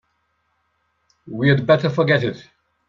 We'd better forget it.